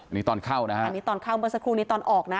นี่ตอนเข้านะฮะอันนี้ตอนเข้าเมื่อสักครู่นี้ตอนออกนะ